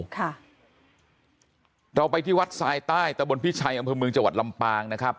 ค่ะเราไปที่วัดทรายใต้ตะบนพิชัยอำเภอเมืองจังหวัดลำปางนะครับ